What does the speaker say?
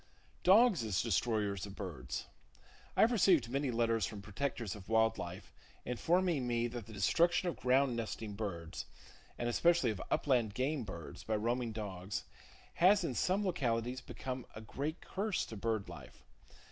Dogs As Destroyers Of Birds. —I have received many letters from protectors of wild life informing me that the destruction of ground nesting [Page 77] birds, and especially of upland game birds, by roaming dogs, has in some localities become a great curse to bird life.